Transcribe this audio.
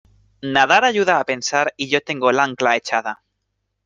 nadar ayuda a pensar y yo tengo el ancla echada.